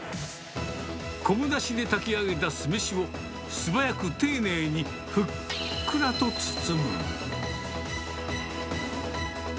昆布だしで炊き上げた酢飯を素早く丁寧にふっくらと包む。